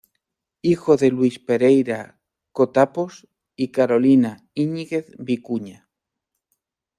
Hijo de Luis Pereira Cotapos y "Carolina Íñiguez Vicuña".